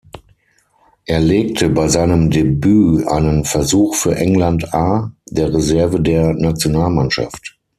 Er legte bei seinem Debüt einen Versuch für England A, der Reserve der Nationalmannschaft.